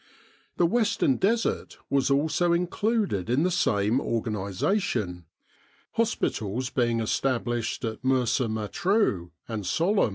The Western Desert was also included in the same organisation, hospitals being established at Mersa Matruh and Sollum.